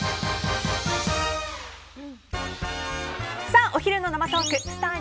さあ、お昼の生トークスター☆